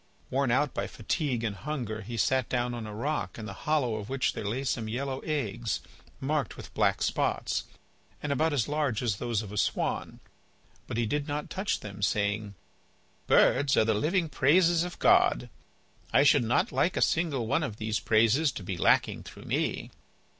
Worn out with fatigue and hunger, he sat down on a rock in the hollow of which there lay some yellow eggs, marked with black spots, and about as large as those of a swan. But he did not touch them, saying: "Birds are the living praises of God. I should not like a single one of these praises to be lacking through me."